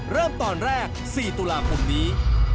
เริ่มตอนแรก๔ตุลาคมนี้